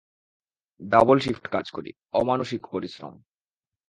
Double shift কাজ করি, অমানুষিক পরিশ্রম।